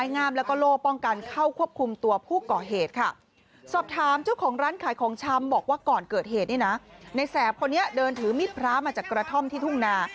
ในแสบคนนี้เดินถือมีดพระมาจากกระท่อมที่ทุ่งนา